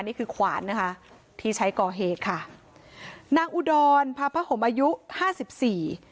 นี่คือขวานนะคะที่ใช้ก่อเหตุค่ะนางอุดรพาพะหมอายุห้าสิบสี่